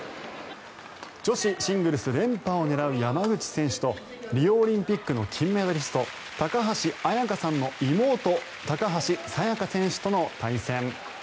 女子シングルス連覇を狙う山口選手とリオオリンピックの金メダリスト高橋礼華さんの妹高橋沙也加選手との対戦。